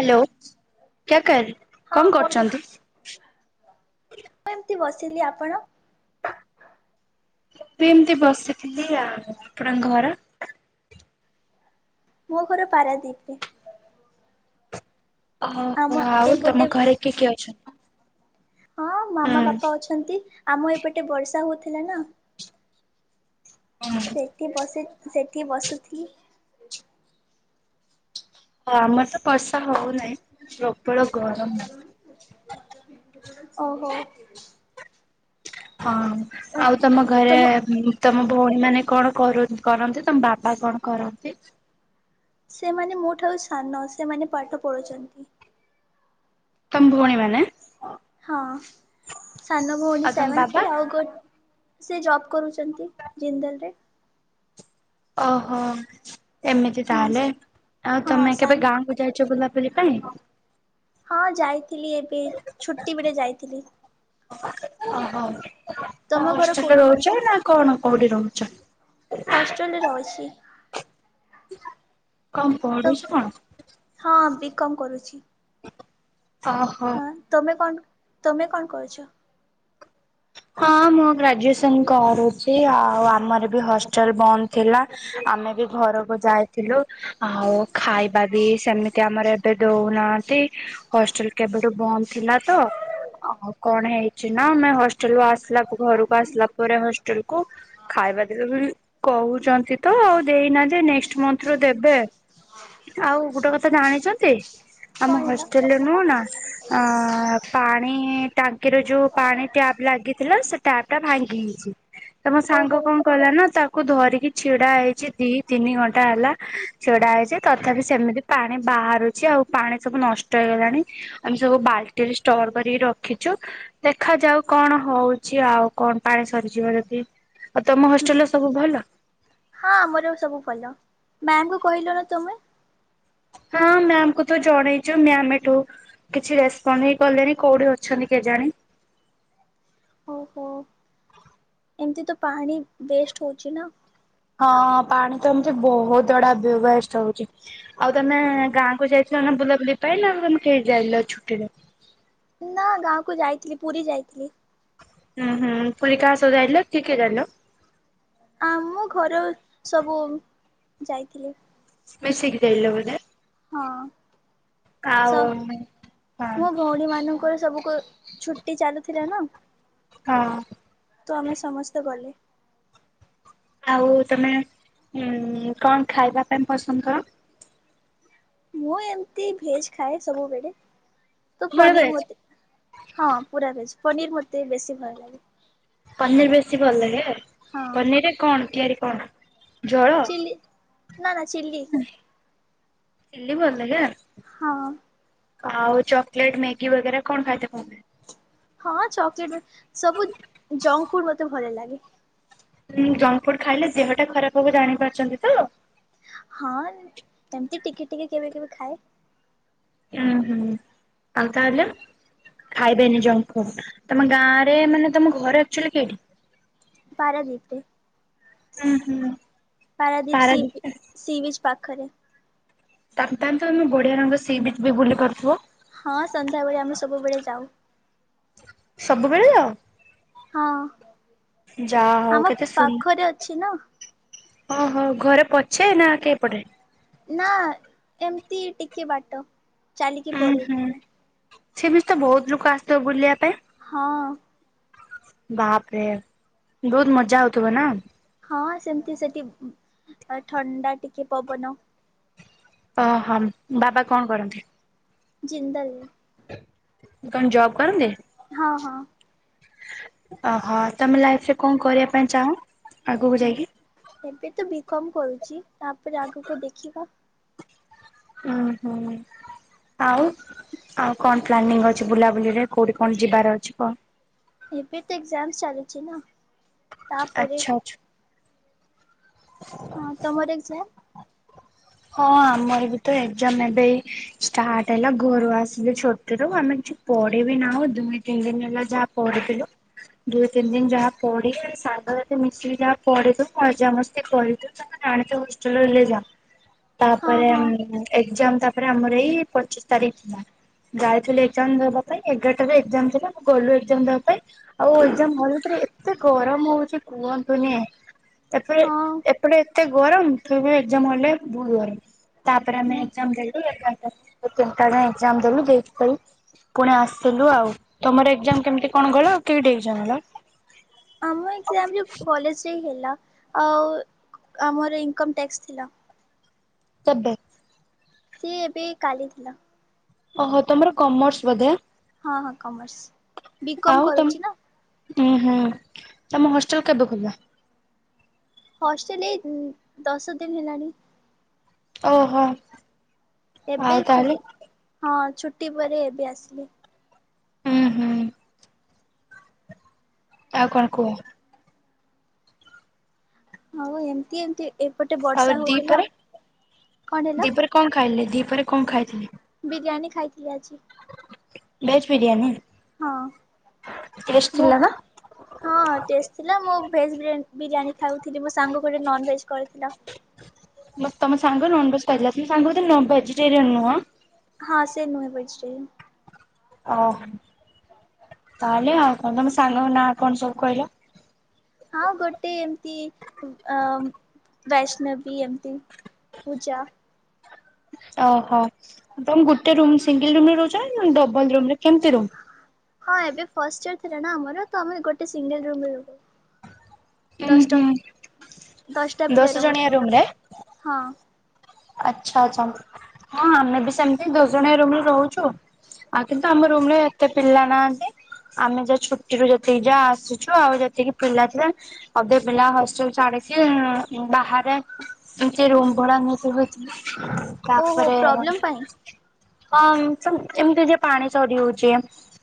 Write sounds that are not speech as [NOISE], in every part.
Hello କ୍ୟାକର କଣ କରୁଛନ୍ତି? ମୁଁ ଏମତି ବସିଲି, ଆପଣ? ମୁଁ ବି ଏମତି ବସିଥିଲି ଆଉ, ଆପଣଙ୍କ ଘର? ପୁଅ ଘର ପରା ଦୀପ। ଓହୋ ଆମ ଆଉ ଏପଟେ ତମ ଘରେ କିଏ କିଏ ଅଛନ୍ତି? ହଁ ହୁଁ ମାମା ବାପା ଅଛନ୍ତି, ଆମ ଏପଟେ ବର୍ଷା ହଉଥିଲା ନା। ଓ ହଁ। ସେଠି ବସି ସେଠି ବସୁଥିଲି। ହ ଆମର ତ ବର୍ଷା ହଉନାହିଁ, ପ୍ରବଳ ଗରମ ନାହିଁ। ଓହୋ ହଁ ଆଉ ତମ ଘରେ ତମ ଭଉଣୀ ମାନେ କଣ କର କରନ୍ତି ତମ ବାବା କଣ କରନ୍ତି? ସେମାନେ ମୋ ଠାରୁ ସାନ ସେମାନେ ପାଠ ପଢୁଛନ୍ତି। ତମ ଭଉଣୀ ମାନେ ହଁ ସାନ ଭଉଣୀ ଆଉ ତମ ସେଭେନ ବାବା ଥ୍ରୀ ଆଉ ଗୋ ସେ ଜବ୍ କରୁଛନ୍ତି ଜିନ୍ଦଲରେ। ଓହୋ ଏମିତି ହଁ ତାହେଲେ ଆଉ ହଁ ତମେ କେବେ ସାନ ଗାଁକୁୁ ଯାଇଛ ବୁଲାବୁଲି ପାଇଁ? ହଁ ଯାଇଥିଲି ଏବେ ଛୁଟି ବେଳେ ଯାଇଥିଲି। ତମ ଘର ହଷ୍ଟେଲ କୋଉଠି? ରହୁଛ ନା କଣ କୋଉଠି ରହୁଛ? ହଷ୍ଟ୍ରେଲରେ ରହୁଛି। କଣ ତ ପଢୁଛୁ କଣ? ହଁ ବି କମ୍ କରୁଛି। ଓହୋ। ତୁମେ କଣ ତୁମେ କଣ କରୁଚ? ହଁ ମୁଁ ଗ୍ରାଜୁଏସନ କରୁଛି ଆଉ ଆମର ହଷ୍ଟେଲ ବନ୍ଦ ଥିଲା ଆମେ ବି ଘରକୁ ଯାଇ ଥିଲୁ ଆଉ ଖାଇବା ବି ସେମିତି ଆମର କେବେ ଦଉନାହାନ୍ତି ହଷ୍ଟେଲ କେବେଠୁ ବନ୍ଦ ଥିଲା ତ ଆଉ କଣ ହେଇଛି ନା ଆମେ ହଷ୍ଟେଲ ଆସିଲା ଘରକୁ ଆସିଲା ପରେ ହଷ୍ଟେଲକୁ ଖାଇବା ପିଇବା କହୁଛନ୍ତି ତ ଆଉ ଦେଇନାହାନ୍ତି ନେଷ୍ଟ ମନ୍ଥରୁ ଦେବେ। ଆଉ ଗୋଟେ କଥା ଜାଣିଛନ୍ତି କଣ ଆମ ହେଲା ହଷ୍ଟେଲରେ ନୁହଁ ନା ଆ ପାଣି ଟାଙ୍କିର ଯୋଉ ପାଣି ଟ୍ୟାବ ଲାଗିଥିଲା ଟପ ଟା ଭାଙ୍ଗି ଯାଇଛି ତମ ଓହୋ ସାଙ୍ଗ ହଁ କଣ କଲା ନା ତାକୁ ଧରିକି ଚିଡ଼ା ହେଇଛି ଦି ତିନି ଘଣ୍ଟା ହେଲା ଛିଡା ହେଇଛି ତଥାପି ସେମିତି ପାଣି ବାହାରୁଛି ଆଉ ପାଣି ସବୁ ନଷ୍ଟ ହେଇଲାଣି ଆମେ ସବୁ ବାଲ୍ଟିରେ ଷ୍ଟୋର କରିକି ରଖିଛୁ ଦେଖାଯାଉ। କଣ ହଉଛି ଆଉ କଣ ପାଣି ସରିଯିବ ଯଦି ଆଉ ତମ ହୋଷ୍ଟେଲ ସବୁ ଭଲ ହଁ ଆମର ସବୁ ଭଲ ମ୍ୟାାମକୁ କହିଲ ନା ତମେ ହଁ ମ୍ୟାାମ କୁ ତ ଜଣେଇଛୁ ମ୍ୟାାମ ଏଠୁ କିଛି ରେସପଣ୍ଡ ହେଇ କଲେଣି କୋଉଠି ଅଛନ୍ତି କେଜାଣି? ଓହୋ ଏମିତି ତ ପାଣି ୱେଷ୍ଟ ହଉଛି ନା। ହଁ ପାଣି ତ ଏମିତି ବହୁତ ଗୁଡା ବ୍ୟବସ୍ଟ ହଉଛି। ଆଉ ତମେ ଗାଁ କୁ ଯାଇଥିଲ ନାେ ବୁଲାବୁଲି ପାଇଁ ଆଉ ତମେ କେହି ଯାଇନ ଛୁଟିରେ ନା ଗାଁକୁ ଯାଇଥିଲି ପୁରୀ ଯାଇଥିଲି। ହୁଁ ହୁଁ ପୁରୀ କା ସହ ଯାଇଥିଲ କିଏ କିଏ ଜାଇଥିଲ? ଆମ ଘର ସବୁ ଯାଇଥିଲି। ମିଶିକି ଯାଇଲ ବୋଧେ। ହଁ ଆଉ ସ ହଁ ମୋ ଭଉଣୀ ମାନଙ୍କର ସବୁ ଛୁଟି ଚାଲୁଥିଲା ନା ହଁ ତ ଆମେ ସମସ୍ତେ ଗଲେ। ଆଉ ତମେ କଣ ଖାଇବା ପାଇଁ ପସନ୍ଦ କର? ମୁଁ ଏମିତି ଭେଜ ଖାଏ ସବୁବେଳେ ତ ବେଳେ ପନିର ଭେଜ୍ ମତେ ହଁ ପୁରା ଭେଜ ପନିର ମତେ ବେଶୀ ଭଲ ଲାଗେ। ପନିର ବେଶୀ ଭଲ ଲାଗେ ହଁ ପନିରରେ କଣ ତିଆରି କଣ ଜଳ? ଚିଲି ନା ନା ଚିଲି। ଚିଲି ପନିର କା ହଁ ଆଉ ଚକଲେଟ୍, ମେଗି ବଗେରା କଣ ଖାଇଥ [UNINTELLIGIBLE] ହଁ ଚକୋଲେଟ, ସବୁ ଜଙ୍କ ଫୁଡ ମତେ ଭଲ ଲାଗେ। ଉଁ ଜଙ୍କ ଫୁଡ ଖାଇଲେ ଦେହଟା ଖରାପ ହବ ଜାଣି ପାରୁଚନ୍ତି ତ। ହଁ ଏମତି ଟିକେ ଟିକେ କେବେ କେବେ ଖାଏ। ହୁଁ ହୁଁ ଆଉ ତାହାଲେ। ଖାଇବେନି ଜଙ୍କ୍ ଫୁଡ୍। ତମ ଗାଁ ରେ ମାନେ ତମ ଘର ଆକ୍ଚୁଆଲି କେଇଠି। ପାରାଦ୍ଵୀପ ରେ ହୁଁ ହୁଁ ପାରାଦ୍ଵୀପ ପାରାଦ୍ୱୀପ ସି ବିିଚ୍ ପାଖରେ ତାକ୍ ତାହେଲେ ତ ଆମେ ବଢିଆ ରଙ୍ଗ ସି ବିଚ୍ ବି ବୁଲି ପାରୁଥିବ। ହଁ ସନ୍ଧ୍ୟାବେଳେ ଆମେ ସବୁବେଳେ ଯାଉ। ସବୁବେଳେ ଯାଅ? ହଁ ଯାହା ହଉ ଆମ କେତେ ସୁନ୍ ପାଖରେ ଅଛି ନା ଓହୋ ଘରେ ପଛେ ନା କେପଟେ? ନା ଏମିତି ଟିକେ ବାଟ। ଚାଲିକି ଉଁ ପଡିବୁ ହୁଁ ଆମେ ସେମିତ୍ ତ ବହୁତ୍ ଲୁକ ଆସଥିବେ ବୁଲିବା ପାଇଁ। ହଁ। ବାପରେ ବହୁତ୍ ମଜା ହଉଥିବ ନା? ହଁ ସେମତି ସେଠି ଥଣ୍ଡା ଟିକେ ପବନ। ଓହୋ ବାବା କଣ କରନ୍ତି? ଜିନ୍ଦଲ କଣ ଜବ୍ କରନ୍ତି? ହଁ ହଁ ଓହୋ ତମେ ଲାଇଫ ରେ କଣ କରିବା ପାଇଁ ଚାହଁ ଆଗକୁ ଯାଇକି? ଏବେ ତ ବି କମ୍ କରୁଚି ତାପରେ ଆଗକୁ ଦେଖିବା ଉଁ ହୁଁ। ଆଉ ଆଉ କଣ ପ୍ଲାନିଂ ଅଛି ବୁଲାବୁଲିରେ କୋଉଠି କଣ ଯିବାର ଅଛି କଣ? ଏବେ ତ ଏକ୍ଜାମସ୍ ଚାଲିଚି ନା ତାପରେ ଆଚ୍ଛା ଆଚ୍ଛା। [INAUDIBLE] ହଁ ତମର ଏକ୍ଜାମ୍? [INAUDIBLE] ହଁ ଆମର ବି ତ ଏକ୍ଜାମ୍ ଏବେ ଏଇ ଷ୍ଟାର୍ଟ୍ ହେଲା ଘରୁ ଆସିଲେ ଛୁଟିରୁ ଆମେ ପଢିବି ନାଁମ ଦୁଇ ତିନି ଦିନ ହେଲା ଯାହା ପଢିଥିଲୁ। ଦୁଇ ତିନି ଦିନ ଯାହା ପଢିଚୁ ସାଙ୍ଗ ସାଥି ମିଶିକି ଯାହା ପଢିଚୁ ମଜାମସ୍ [UNINTELLIGIBLE] ତାପରେ ଏକ୍ଜାମ୍ ତା ହଁ ତାପରେ ହଁ ଆମର ଏଇ ପଚିଶ ତାରିଖ ଖୋଲବା। ଯାଇଥିଲି ଏକ୍ଜାମ୍ ଦେବା ପାଇଁ ଏଗାରଟାରେ ଏକ୍ଜାମ୍ ଥିଲା ମୁଁ ଗଲୁ ଏକ୍ଜାମ ଦବା ପାଇଁ। ଆଉ ଏକ୍ଜାମ୍ ହଲରେ ପୂରି ଏତେ ଗରମ ହଉଚି କୁହନ୍ତୁନି। ଏରପରେ ହଁ ଏପଟେ ଏତେ ଗରମ କିଏ କୁହେ ଏକ୍ଜାମ୍ ହଲ୍ ରେ ବହୁତ୍ ଗରମ। ତାପରେ ଆମେ ହଁ ଏକ୍ଜାମ୍‌‌ ଦେଲୁ। ତାଙ୍କ ଆଜ୍ଞା ଏକ୍ଜାମ୍ ଦେଲୁ‌ ଦେଇକି [UNINTELLIGIBLE] ପୁଣି ଆସିଲୁ ଆଉ ତମର ଏକ୍ଜାମ୍ କେମିତି କଣ ଗଲା? କେଇଠି ଏକ୍ଜାମ ହେଲା? ଆମ ଏକ୍ଜାମ ଯୋଉ କଲେଊଜ ରେ ହିଁ ହେଲା ଆଉ ଆମର ଇନକମ୍ ଟ୍ୟାକ୍ସ ଥିଲା। କେବେ? ସିଏ ଏବେ କାଲି ଥିଲା। ଓହୋ ତମର କମର୍ସ ବଧେ? ହଁ ହଁ କମର୍ସ। ବି କମ୍ ଆଉ ତମ କରୁଛି ନା। ଉଁ ହୁଁ ତମ ହଷ୍ଟେଲ କେବେ ଖୋଲବା? ହଷ୍ଟେଲ ଏଇ ଦଶ ଦିନ ହେଲାଣି। ଓହୋ। ଏବେ ଆଉ ତାହେଲେ ଖୋଲି ହଁ ଛୁଟି ପରେ ଏବେ ଆସିଲି। ହୁଁ ହୁଁ। ଆଉ କଣ କୁହ। ହଉ ଏମତି ଏମତି ଆଉ ଦିପରେ କଣ ହେଲା? ଦିପରେ କଣ ଖାଇଲେ ଦିପରେ କଣ ଖାଇଥିଲେ। ବିରିୟାନୀ ଖାଇଥିଲି ଆଜି। ଭେଜ ବିରିୟାନୀ। ହଁ। ଟେଷ୍ଟ ମୁଁ ଥିଲା ନା। ହଁ ଟେଷ୍ଟ ଥିଲା ମୁଁ ଭେଜ୍ ବିରୀୟାନୀ ବିରିୟାନୀ ଖାଉଥିଲି ମୋ ସାଙ୍ଗ ଗୋଟେ ନନ୍ ଭେଜ୍ କରିଥିଲା। ତମ ସାଙ୍ଗ ନନଭେଜ ଖାଇଥିଲା ତମ ସାଙ୍ଗ ବୋଧେ ଭେଜିଟେରିଆନ ନୁହଁ। ହଁ ସେ ନୁହେଁ ଭେଜଟେରିଆନ ଓହୋ [UNINTELLIGIBLE] ତମ ସାଙ୍ଗଙ୍କ ନା କଣ ସବୁ କହିଲ। ହଁ ଗୋଟେ ଏମିତି ଅ ବୈଷ୍ଣବୀ ଏମିତି ପୂଜା। ଓହୋ ତମ ଗୋଟେ ରୁମ୍ ସିଙ୍ଗଲ ରୁମ ରେ ରହୁଚ ନା ଡବଲ ରୁମ ରେ କେମିତି ରୁମ୍। ହଁ ଏବେ ଫଷ୍ଟ ଇୟର ଥିଲା ନା ଆମର ତ ଆମେ ଗୋଟେ ସିଙ୍ଗଲ ରୁମ୍ ରେ ରହୁ। ଉଁ ଦଶଟା ହୁଁ ଦଶଟା ପିଲା ଦଶ ଜଣିଆ ରହୁଥାଉ ରୁମ ରେ? ହଁ। ଆଚ୍ଛା ଆଚ୍ଛା ହଁ ଆମେ ବି ସେମିତି ଦଶ ଜଣିଆ ରୁମରେ ରହୁଚୁ। ଆଉ କିନ୍ତୁ ଆମ ରୁମ ରେ ଏତେ ପିଲା ନାହାନ୍ତି। ଆମେ ଯାହା ଛୁଟିରୁୁ ଯେତିକି ଯାହା ଆସିୁଛୁ ଆଉ ଯେତିକି ପିଲା ଥିଲେ। ଅଧେ ପିଲା ହଷ୍ଟେଲ ଛାଡିକି ଉଁ ବାହାରେ ଏମତି ରୁମ ଭଡା ନେଇ ଓହୋ ତାପରେ ପ୍ରୋବ୍ଲେମ୍ ପାଇଁ ଅଁ ଏମିତି ଏମତି ପାଣି ସରିହଉଛି।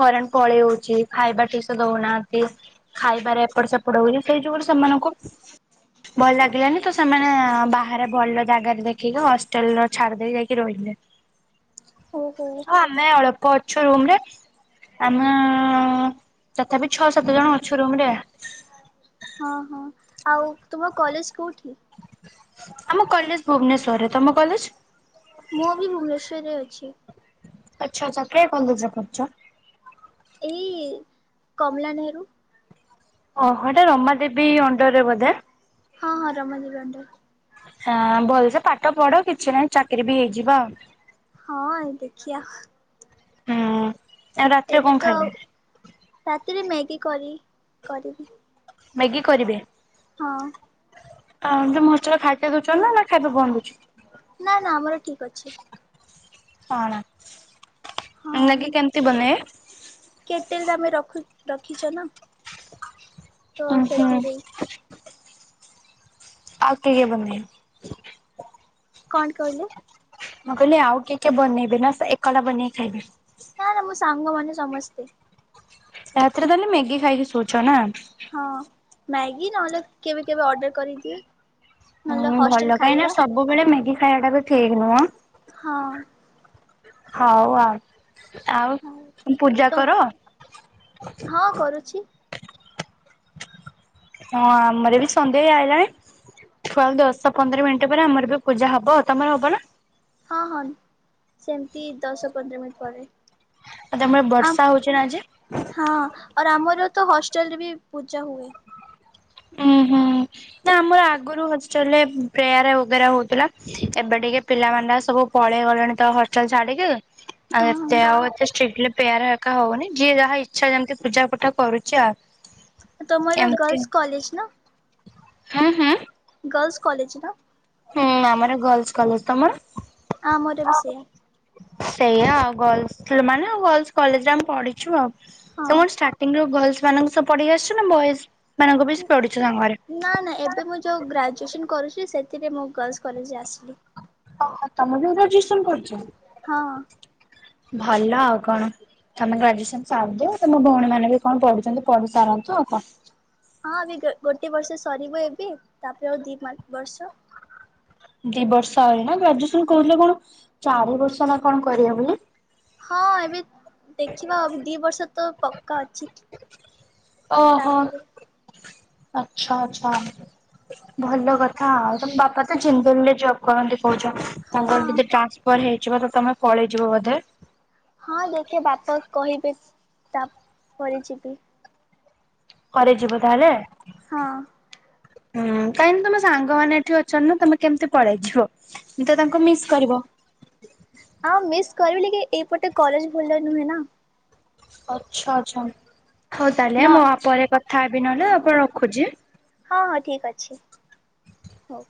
କରେଣ୍ଟ ପଳେଇ ହଉଛି ଖାଇବା ଠିକସେ ଦଉନାହାନ୍ତି। ଖାଇବାରେ ଏପଟ ସେପଟ ହଉଚି ସେଇ ଯୋଗୁରୁ ସେମାନଙ୍କୁ ଭଲ ଲାଗିଲାନି ତ ସେମାନେ ବାହାରେ ଭଲ ଜାଗାରେ ଦେଖିକି ହଷ୍ଟେଲର ଛାଡି ଦେଇକି ଯାଇକି ରହିଲେ। ଓ ହୋଉ। ହ ଆମେ ଅଳ୍ପ ଅଛୁ ରୁମରେ ଆମେ ତଥାପି ଛଅ ସାତ ଜଣ ଅଛୁ ରୁମ ରେ ହଁ ହଁ ଆଉ ତୁମ କଲେଜ କୋଉଠି? ଆମ କଲେଜ ଭୁବନେଶ୍ଵରରେ ତମ କଲେଜ? ମୁଁ ବି ଭୁବନେଶ୍ୱରରେ ଅଛି। ଆଚ୍ଛା ଆଚ୍ଛା କେ କଲେଜ୍ ରେ ପଢୁଚ? ଏଇ କମଲା ନେହେରୁ। ଓ ହୋ ହେଟା ରମାଦେବୀ ଅଣ୍ଡରରେ ବୋଧେ ହଁ ହଁ ରମାଦେବୀ ଅଣ୍ଡର ରେ ହଁ ଭଲସେ ପାଠ ପଢ କିଛି ନାହିଁ ଚାକିରୀ ବି ହେଇଯିବ ଆଉ ହଁ ଆଉ ଦେଖିିଆ। ହୁଁ। ଆଉ ରାତିରେ ଏବେ କଣ ତ ଖାଇବେ ରାତିରେ ମ୍ୟାଗି କରି କରିବି। ମ୍ୟାଗି କରିବେ? ହଁ। [UNINTELLIGIBLE] ଦଉଛନ୍ତି ନା ଖାଇବା ବନ୍ଦ ହଉଚି? ନା ନା ଆମର ଠିକ୍ ଅଛି। ହନା ହଁ ମାଗି କେମିତି ବନେଇବେ। କେଟେଲ ଆମେ ରଖୁ ରଖିଛ ନା ତ ଉଁ ହୁଁ ସେଥିରେ। ଆଉ କିଏ କିଏ ବନେଇମି। କଣ କହିଲେ? ମୁଁ କହିଲି ଆଉ କିଏ କିଏ ବନେଇବେ ନା ସେ ଏକଲା ବନେଇକି ଖାଇବେ। ନା ନା ମୋ ସାଙ୍ଗମାନେ ସମସ୍ତେ। ରାତିରେ ତାହେଲେ ମ୍ୟାଗି ଖାଇକି ଶୋଉଛ ନା? ହଁ ମ୍ୟାଗି ନହେଲେ କେବେ କେବେ ଅର୍ଡର କରିଦିଏ। ନହେଲେ ହୁଁ ହଷ୍ଟେଲ ଭଲ କାହିଁକି ନା ଖାଇବା ସବୁବେଳେ ମ୍ୟାଗି ଖାଇବା ଟା ବି ଠିକ୍ ନୁହଁ। ହଁ। ହଉ ଆଉ ଆଉ ହଉ [UNINTELLIGIBLE] ପୂଜା ତ କର? ହଁ କରୁଛି। ହଁ ଆମର ବି ସନ୍ଧେ ଆଇଲାଣି [UNINTELLIGIBLE] ଦଶ ପନ୍ଦର ମିନିଟ୍ ପରେ ଆମର ବି ପୂଜା ହବ ତମର ହବ ନା? ହଁ ହଁ ସେମ୍ତି ଦଶ ପନ୍ଦର ମିନିଟ୍ ପରେ। ଆଉ ତମଳେ ବର୍ଷା ହଉଚି ନା ଆଜି? ହଁ ଅର୍ ଆମର ତ ହଷ୍ଟେଲରେ ବି ପୂଜା ହୁଏ। ଉୁଁ ହୁଁ ନା ଆମର ଆଗରୁ ହଷ୍ଟେଲରେ ପ୍ରେୟାର ଉଗେରା ହଉଥିଲା। ଏବେ ଟିକେ ପିଲାମାନେ ସବୁ ପଳେଇ ଗଲେଣି ତ ହୋଷ୍ଟେଲ୍ ଛାଡିକି। ଆଉ ହଁ ଏତେ ହଁ। ଆଉ ଏତେ ଷ୍ଟ୍ରିକ୍ଟଲି ପ୍ରେୟାର କା ହଉନି ଯିଏ ଯାହା ଇଚ୍ଛା ଯେମ୍ତି ପୂଜା ପଠା କରୁଛି ଆଉ। ତମର ଗର୍ଲସ୍ ଏମିତି କଲେଜ୍ ନା? ହୁଁ ହୁଁ? ଗର୍ଲସ୍ କଲେଜ୍ ନା? ହୁଁ ଆମର ଗର୍ଲସ୍ କଲେଜ୍ ତମର? ଆମର ବି ସେୟା। ସେୟା ଆଉ ଗର୍ଲସ୍ ଲ ମାନେ ଗର୍ଲସ୍ କଲେଜରେ ଆମେ ପଢିଛୁ ଆଉ ତମ ହଁ। ଷ୍ଟା ଟିଂରୁ ଗର୍ଲସ୍ ମାନଙ୍କ ସହ ପଢିକି ଆସିଛ ନା ବଏସ୍ ମାନଙ୍କୁ ବି ପଢିଛ ସାଙ୍ଗରେ? ନା ନା ଏବେ ମୁଁ ଯଉ ଗ୍ରାଜୁଏସନ୍ କରୁଛି ସେଥିରେ ମୁଁ ଗର୍ଲସ୍ କଲେଜରେ ଆସିଲି। ଓ ତମେ ବି ଗ୍ରାଜୁଏସନ୍ କରୁଚ? ହଁ। ଭଲ ଆଉ କଣ। ତମ ଗ୍ରାଜୁଏସନ୍ ସାର୍ ଦିଅ ତମ ଭଉଣୀ ମାନେ ବି କଣ ପଢୁଛନ୍ତି ପଢି ସାରନ୍ତୁ ଆଉ କଣ। ହଁ ଏବେ ଗୋ ଗୋଟେ ବର୍ଷ ସରିବ ଏବେ ତାପରେ ଆଉ ଦି ମା ବର୍ଷ। ଦି ବର୍ଷ ଆହୁରି ନା ଗ୍ରାଜୁଏସନ୍ କହୁଥିଲେ କଣ ଚାରି ବର୍ଷ ନା କଣ କରିବେ ବୋଲି। ହଁ ଏବେ ଦେଖିବା ଦି ବର୍ଷ ତ ପକ୍କା ଅଛି। ଓ ହୋ ତାପରେ ଆଚ୍ଛା ଆଚ୍ଛା। ଭଲ କଥା ଆଉ ତମ ବାପା ତ ଜିନ୍ଦଲ୍ ରେ ଜବ୍ କରନ୍ତି କହୁଛ। ତାଙ୍କର ହଁ। ଯଦି ଟ୍ରାନ୍ସଫର୍ ହେଇଯିବ ତ ତମେ ପଳେଇଯିବ ବୋଧେ? ହଁ ଦେଖିଆ ବାପାଉ କହିବେ ତା ପରେ ଯିବି। ପରେ ଯିବ ତାହେଲେ? ହଁ। [UNINTELLIGIBLE] ହୁଁ କାହିଁକି ନା ତମ ସାଙ୍ଗମାନେ ଏଠି ଅଛନା ତମେ କେମ୍ତି ପଳେଇଯିବ ମେ ତ ତାଙ୍କୁ ମିସ୍ କରିବ। ହଁ ମିସ୍ କରିବି ଲେକି ଏଇପଟେ କଲେଜ ଭଲ ନୁହେଁ ନା। ଆଚ୍ଛା ଆଚ୍ଛା ହଉ ତାହେଲେ ନ ମୁଁ ଆ ପରେ କଥା ହେବି ନହେଲେ ଆପଣ ରଖୁଛି। ହଁ ହଁ ଠିକ୍ ଅଛି। ହଉ।